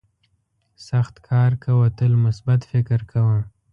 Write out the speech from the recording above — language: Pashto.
سخت کار کوه تل مثبت فکر کوه.